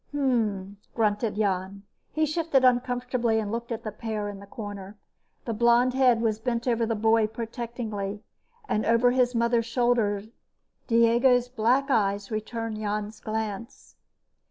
"Mmm," grunted Jan. He shifted uncomfortably and looked at the pair in the corner. The blonde head was bent over the boy protectingly, and over his mother's shoulder Diego's black eyes returned Jan's glance.